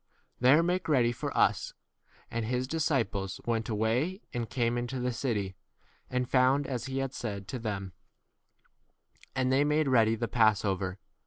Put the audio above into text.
There make ready for us. 16 And his disciples went away and came into the city, and found as he had said to them; and they J 7 made ready the passover.